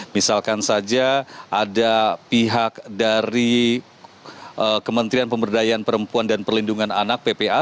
misalkan saja ada pihak dari kementerian pemberdayaan perempuan dan perlindungan anak ppa